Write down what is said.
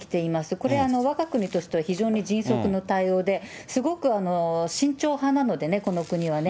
これ、わが国としては非常に迅速な対応で、すごく慎重派なのでね、この国はね。